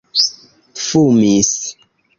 fumis